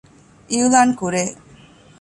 އިޢްލާނު ކުރޭ